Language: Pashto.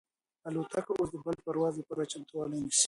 الوتکه اوس د بل پرواز لپاره چمتووالی نیسي.